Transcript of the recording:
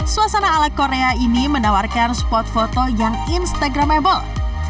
suasana ala korea ini menawarkan spot foto yang instagramable